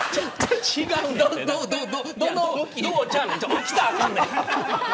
起きたらあかんねん。